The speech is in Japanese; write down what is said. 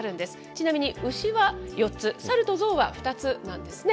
ちなみにウシは４つ、サルとゾウは２つなんですね。